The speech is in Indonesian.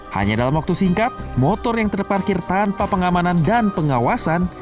hanya dalam waktu singkat motor yang terparkir tanpa pengamanan dan pengawasan